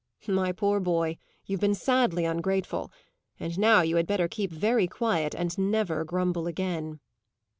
My poor boy, you've been sadly ungrateful, and now you had better keep very quiet and never grumble again."